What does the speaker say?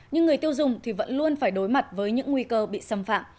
nhưng người tiêu dùng thì vẫn luôn phải đối mặt với những nguy cơ bị xâm phạm